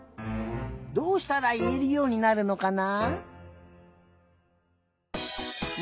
どうしたらいえるようになるのかな？